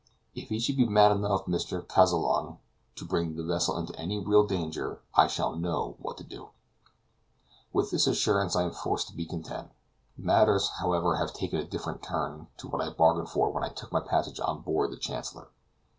"If he should be mad enough, Mr. Kazallon, to bring the vessel into any real danger, I shall know what to do." With this assurance I am forced to be content. Matters, however, have taken a different turn to what I bargained for when I took my passage on board the Chancellor.